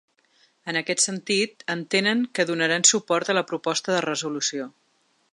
En aquest sentit, entenen que donaran suport a la proposta de resolució.